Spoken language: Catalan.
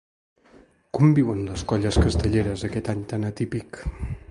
Com viuen les colles castelleres aquest any tan atípic?